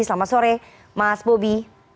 selamat sore mas bobi